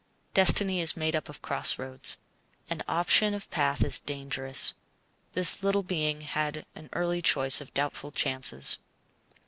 Destiny is made up of cross roads. An option of path is dangerous. This little being had an early choice of doubtful chances.